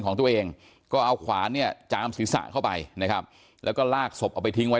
ของตัวเองก็เอาขวานเนี่ยจามศีรษะเข้าไปนะครับแล้วก็ลากศพเอาไปทิ้งไว้